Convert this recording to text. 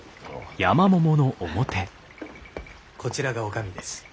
こちらが女将です。